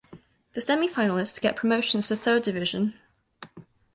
The semifinalists get promotions to third division.